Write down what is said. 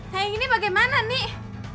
saya ini bagaimana nek